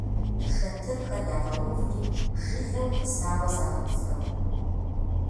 Шэтырхэр ягъэуври жылэу тӀысауэ загъэпсэху.